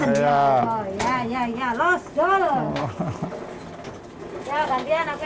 ini gantian saya yang genjot nggak tahu cukup nggak ini orangnya